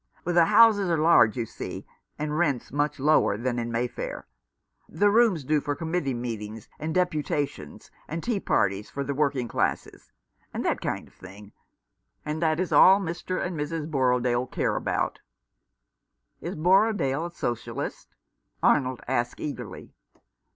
" The houses are large, you see, and rents much lower than in Mayfair. The rooms do for com mittee meetings, and deputations, and tea parties for the working classes, and that kind of thing ; and that is about all Mr. and Mrs. Borrodaile care for." " Is Borrodaile a Socialist ?" Arnold asked eagerly.